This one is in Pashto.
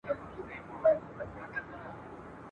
مهار د اوښ به په خره پسې وي !.